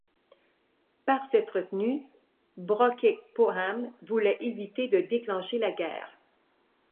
Par cette retenue, Brooke-Popham voulait éviter de déclencher la guerre.